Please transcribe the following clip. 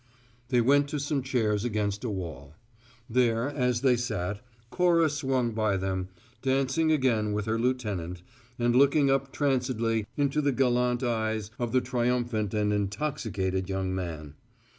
They went to some chairs against a wall. There, as they sat, Cora swung by them, dancing again with her lieutenant, and looking up trancedly into the gallant eyes of the triumphant and intoxicated young man.